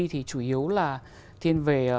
thì chủ yếu là thiên về